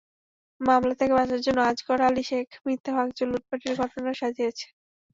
মামলা থেকে বাঁচার জন্য আজগর আলী শেখ মিথ্যা ভাঙচুর, লুটপাটের ঘটনা সাজিয়েছেন।